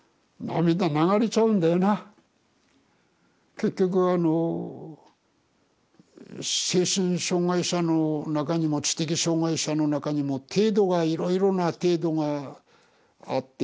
結局あの精神障害者の中にも知的障害者の中にも程度がいろいろな程度があってね